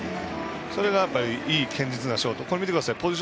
それが、いい堅実なショート。